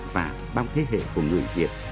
và bao thế hệ của người việt